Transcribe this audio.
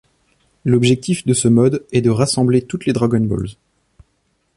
L'objectif de ce mode est de rassembler toutes les Dragon Balls.